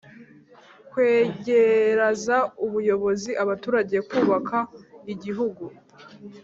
kwegeraza ubuyobozi abaturage kubaka igihugu